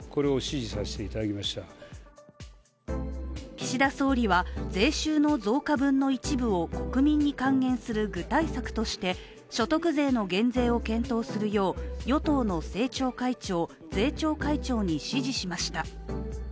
岸田総理は税収の増加分の一部を国民に還元する具体策として、所得税の減税を検討するよう与党の政調会長・税調会長に指示しました。